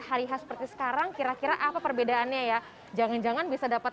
hari h seperti sekarang kira kira apa perbedaannya ya jangan jangan bisa dapat